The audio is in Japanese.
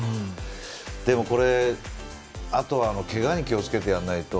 でも、あとはけがに気をつけてやらないと。